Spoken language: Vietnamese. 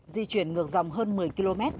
di chuyển ngược dòng hơn một mươi km